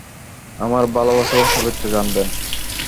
আমার ভালবাসা ও শুভেচ্ছা জানবেন।